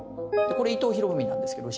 これ伊藤博文なんですけど